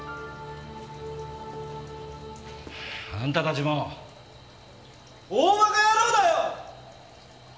あんたたちも大馬鹿野郎だよ！